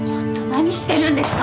何してるんですか？